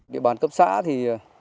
địa bàn cấp xã thì